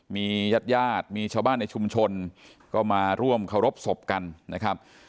มีญาติญาติมีชาวบ้านในชุมชนก็มาร่วมเคารพศพกันนะครับ